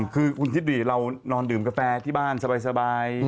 คือคุณคิดดิเรานอนดื่มกาแฟที่บ้านสบาย